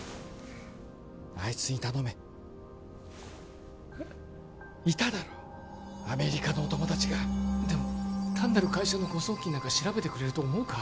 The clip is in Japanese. あいつに頼めえっいただろアメリカのお友達がでも単なる会社の誤送金なんか調べてくれると思うか？